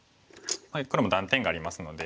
黒も断点がありますので。